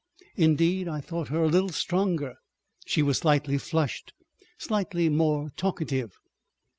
Indeed, I thought her a little stronger; she was slightly flushed, slightly more talkative.